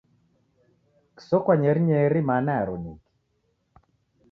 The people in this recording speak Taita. Kisokwa nyerinyeiri mana yaro ni kii?